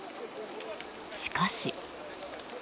しかし。